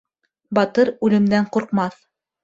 Батыр үлемдән ҡурҡмаҫ.